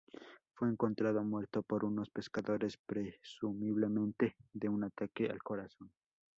Fue encontrado muerto por unos pescadores, presumiblemente de un ataque al corazón.